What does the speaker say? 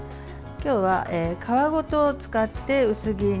今日は皮ごと使って薄切りにします。